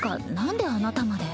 んであなたまで？